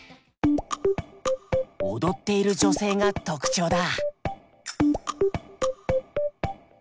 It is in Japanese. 踊っている女性が特徴だ。